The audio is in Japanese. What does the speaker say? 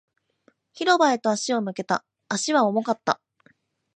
広場へと足を向けた。足は重かった。